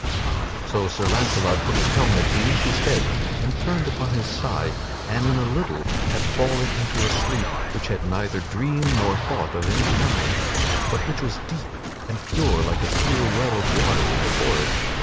So Sir Launcelot put his helmet beneath his head and turned upon his side, and in a little had fallen into a sleep which had neither dream nor thought of any kind, but which was deep and pure like to a clear well of water in the forest.